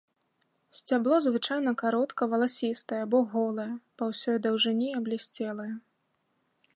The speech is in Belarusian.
Сцябло звычайна каротка валасістае або голае, па ўсёй даўжыні аблісцелае.